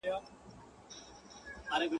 زه تر هر چا درنیژدې یم ستا په ځان کي یم دننه.